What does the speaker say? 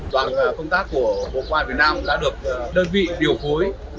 đoàn công tác của bộ quản việt nam đã được đơn vị điều phối